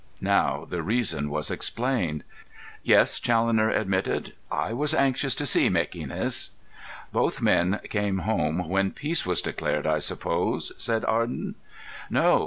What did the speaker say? Now the reason was explained. "Yes," Challoner admitted. "I was anxious to see Mequinez." "Both men came home when peace was declared, I suppose?" said Arden. "No.